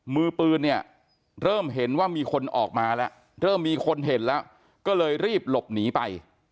มือปืนเริ่มเห็นว่ามีคนออกมาแล้วก็เลยรีบหลบหนีไป